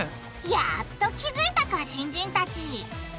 やっと気付いたか新人たち！